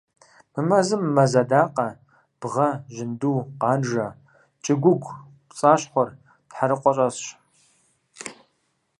Мы мэзым мэз адакъэ, бгъэ, жьынду, къанжэ, кӀыгуугу, пцӀащхъуэр, тхьэрыкъуэ щӀэсщ.